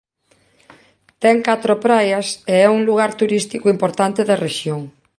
Ten catro praias e é un lugar turístico importante da rexión.